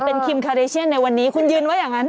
เป็นคิมคาเดเชียนในวันนี้คุณยืนไว้อย่างนั้น